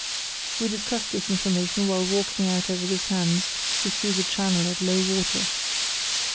We discussed this information while walking out over the sands to see the channel at low water.